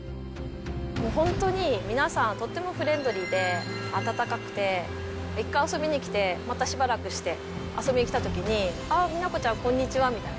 もう本当に皆さんとてもフレンドリーで、温かくて、一回遊びに来て、またしばらくして遊びに来たときに、あっ、美奈子ちゃん、こんにちはみたいな。